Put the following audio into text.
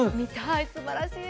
すばらしい。